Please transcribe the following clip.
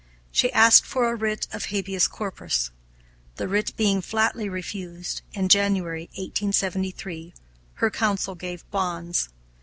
She asked for a writ of habeas corpus. The writ being flatly refused, in January, 1873, her counsel gave bonds.